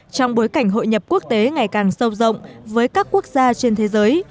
trong bối cảnh hội nhập quốc tế ngày càng sâu rộng với các quốc gia trên thế giới